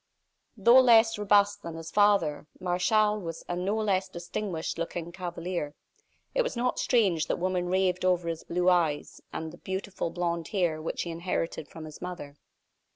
Though less robust than his father, Martial was a no less distinguished looking cavalier. It was not strange that women raved over his blue eyes, and the beautiful blond hair which he inherited from his mother.